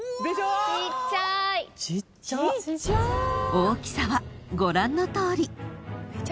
［大きさはご覧のとおり］